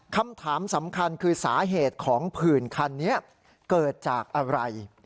คำถามสำคัญคือสาเหตุของผื่นคันนี้เกิดจากอะไร